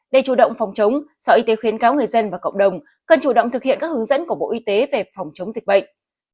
để chủ động phòng chống sở y tế khuyến cáo người dân và cộng đồng cần chủ động thực hiện các hướng dẫn của bộ y tế về phòng chống dịch bệnh